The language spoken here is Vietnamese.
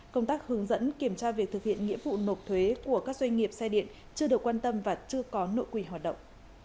công tác hướng dẫn kiểm tra việc thực hiện nghĩa vụ nộp thuế của các doanh nghiệp xe điện chưa được quan tâm và chưa có nội quỷ hoạt động